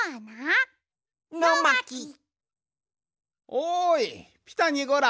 おいピタにゴラ。